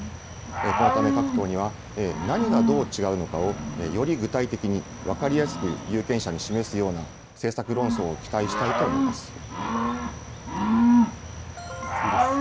このため各党には、何がどう違うのかを、より具体的に分かりやすく有権者に示すような政策論争を次です。